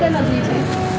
đây là gì